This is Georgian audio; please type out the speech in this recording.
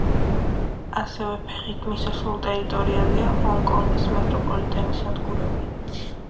ასევე ფეხით მისასვლელ ტერიტორიაზეა ჰონგ-კონგის მეტროპოლიტენის სადგურები.